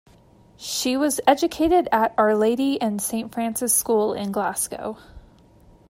She was educated at Our Lady and Saint Francis School in Glasgow.